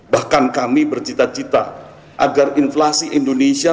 bahkan kami bercita cita agar inflasi indonesia